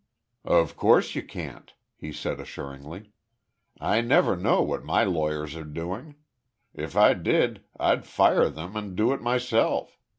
"Of course you can't," he said, assuringly. "I never know what my lawyers are doing. If I did, I'd fire them and do it myself.